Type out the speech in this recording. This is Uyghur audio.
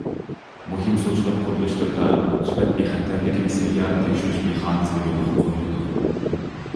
مۇھىم سۇچىلىق قۇرۇلۇشلىرىدا سۈپەت بىخەتەرلىكىنى سەييارە تەكشۈرۈش مېخانىزمى يولغا قويۇلىدۇ.